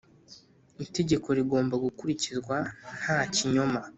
Itegeko rigomba gukurikizwa nta kinyoma,